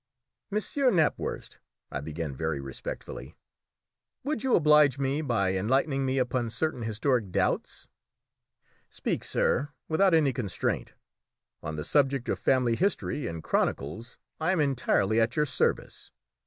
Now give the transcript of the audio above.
"Monsieur Knapwurst," I began very respectfully, "would you oblige me by enlightening me upon certain historic doubts?" "Speak, sir, without any constraint; on the subject of family history and chronicles I am entirely at your service.